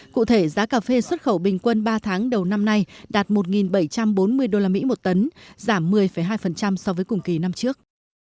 cụ thể giá cà phê xuất khẩu bình quân ba tháng đầu năm nay đạt một bảy trăm bốn mươi usd một tấn giảm một mươi hai so với cùng kỳ năm trước